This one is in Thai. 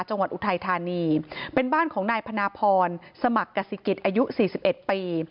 อุทัยธานีเป็นบ้านของนายพนาพรสมัครกษิกิจอายุ๔๑ปี